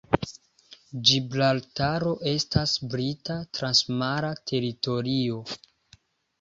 Ĝibraltaro estas Brita transmara teritorio.